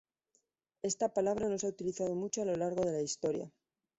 Esta palabra no se ha utilizado mucho a lo largo de la historia.